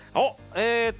えっと